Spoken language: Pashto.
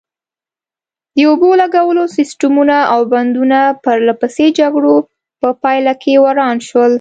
د اوبو لګولو سیسټمونه او بندونه د پرلپسې جګړو په پایله کې وران شول.